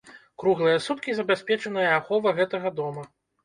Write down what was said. Круглыя суткі забяспечаная ахова гэтага дома.